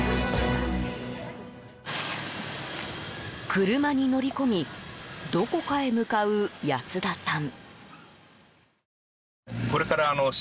車に乗り込みどこかへ向かう安田さん。